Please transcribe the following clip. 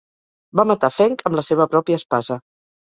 Va matar Feng amb la seva pròpia espasa.